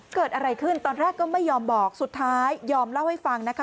เกิดอะไรขึ้นตอนแรกก็ไม่ยอมบอกสุดท้ายยอมเล่าให้ฟังนะคะ